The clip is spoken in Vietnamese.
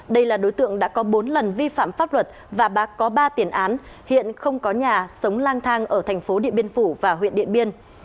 đây là đối tượng đã có bốn lần vi phạm pháp luật và bác có ba tiền án hiện không có nhà sống lang thang ở thành phố điện biên phủ và huyện điện biên